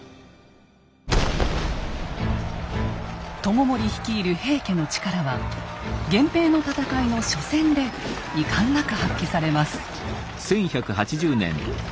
知盛率いる平家の力は源平の戦いの初戦で遺憾なく発揮されます。